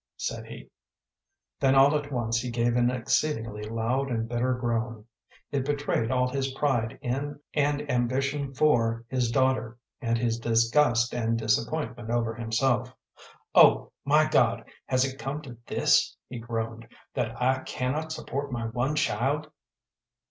said he. Then all at once he gave an exceedingly loud and bitter groan. It betrayed all his pride in and ambition for his daughter and his disgust and disappointment over himself. "Oh! my God, has it come to this," he groaned, "that I cannot support my one child!"